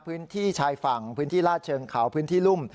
พื้นที่ชายฝั่งพื้นที่ลาดเชิงเขาพื้นที่รุ่ม